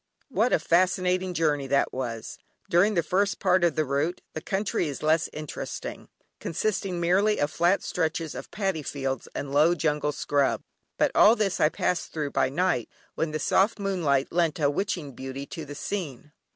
What a fascinating journey that was. During the first part of the route the country is less interesting, consisting merely of flat stretches of Paddy fields and low jungle scrub. But all this I passed through by night, when the soft moonlight lent a witching beauty to the scene.